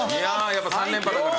やっぱ３連覇だから。